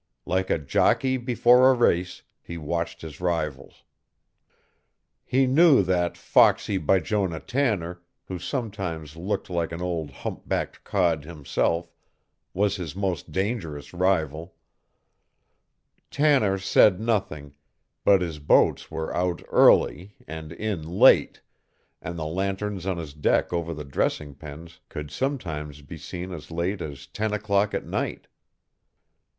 Like a jockey before a race, he watched his rivals. He knew that foxy Bijonah Tanner, who sometimes looked like an old hump backed cod himself, was his most dangerous rival. Tanner said nothing, but his boats were out early and in late, and the lanterns on his deck over the dressing pens could sometimes be seen as late as ten o'clock at night.